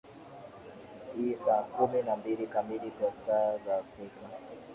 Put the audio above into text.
i saa kumi na mbili kamili kwa saa za afrika